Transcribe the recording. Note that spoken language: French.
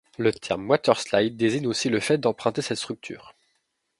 Le terme waterslide désigne aussi le fait d'emprunter cette structure.